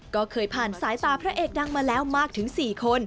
ก็เคยผ่านสายตาพระเอกดังมาแล้วมากถึง๔คน